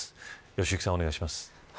良幸さん、お願いします。